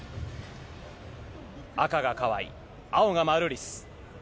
赤が川井、青がマルーリス。